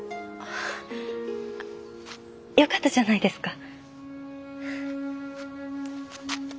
よかったじゃないですか。